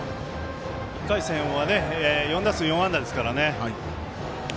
１回戦は４打数４安打ですからね。